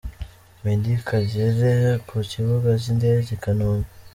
Meddie Kagere ku kibuga cy’indege i Kanombe.